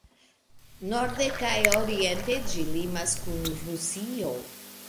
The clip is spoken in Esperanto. Norde kaj oriente ĝi limas kun Rusio.